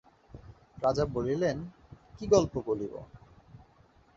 রাজা বলিলেন, কী গল্প বলিব।